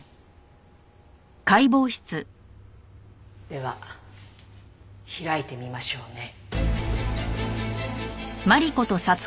では開いてみましょうね。